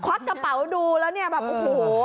วักกระเป๋าดูแล้วเนี่ยแบบโอ้โห